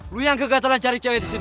lo yang kegatelan cari cewek di sini